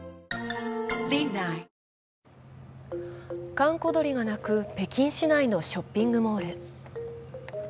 閑古鳥が鳴く北京市内のショッピングモール。